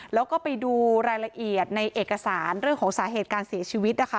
แล้วก็ไปดูรายละเอียดในเอกสารเรื่องของสาเหตุการเสียชีวิตนะคะ